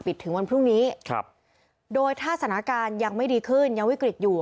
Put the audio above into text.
ถึงวันพรุ่งนี้ครับโดยถ้าสถานการณ์ยังไม่ดีขึ้นยังวิกฤตอยู่